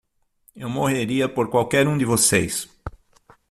Eu morreria por qualquer um de vocês.